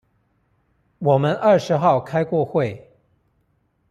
我們二十號開過會